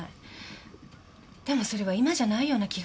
でもそれは今じゃないような気がするの。